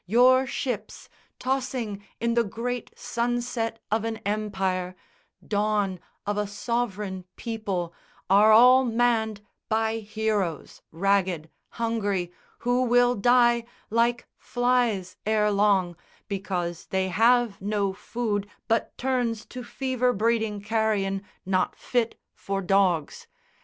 Your ships Tossing in the great sunset of an Empire, Dawn of a sovereign people, are all manned By heroes, raggèd, hungry, who will die Like flies ere long, because they have no food But turns to fever breeding carrion Not fit for dogs.